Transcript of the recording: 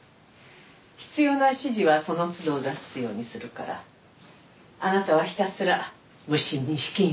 必要な指示はその都度出すようにするからあなたはひたすら無心に式に臨みなさい。